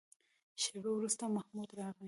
شېبه وروسته محمود راغی.